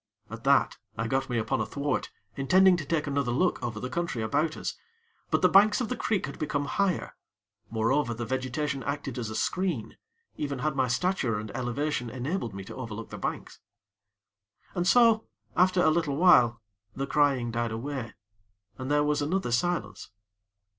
At that, I got me upon a thwart, intending to take another look over the country about us; but the banks of the creek had become higher; moreover the vegetation acted as a screen, even had my stature and elevation enabled me to overlook the banks. And so, after a little while, the crying died away, and there was another silence.